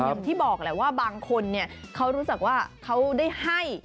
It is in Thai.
อย่างที่บอกแหละว่าบางคนเขารู้สึกว่าเขาได้ให้